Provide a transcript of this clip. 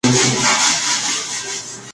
Es nocturna y la atrae la luz.